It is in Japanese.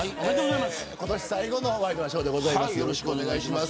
今年最後のワイドナショーです。